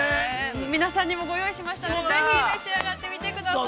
◆皆さんにもご用意しましたのでぜひ召し上がってみてください。